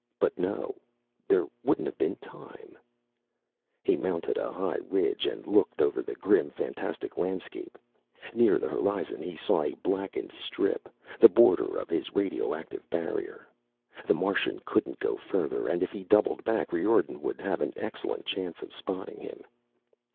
But no, there wouldn't have been time He mounted a high ridge and looked over the grim, fantastic landscape. Near the horizon he saw a blackened strip, the border of his radioactive barrier. The Martian couldn't go further, and if he doubled back Riordan would have an excellent chance of spotting him.